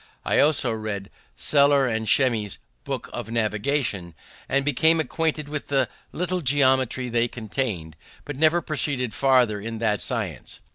I also read Seller's and Shermy's books of Navigation, and became acquainted with the little geometry they contain; but never proceeded far in that science.